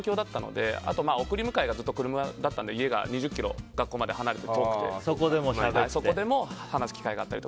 送り迎えがずっと車で家が２０ｋｍ学校まで離れて遠くてそこでも話す機会があったり。